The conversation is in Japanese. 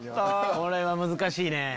これは難しいね。